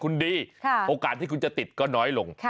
คุณดีโอกาสที่คุณจะติดก็น้อยลง